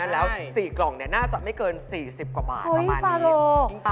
แล้ว๔กล่องน่าจะไม่เกิน๔๐กว่าบาทประมาณนี้